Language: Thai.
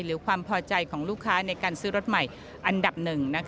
หรือความพอใจของลูกค้าในการซื้อรถใหม่อันดับหนึ่ง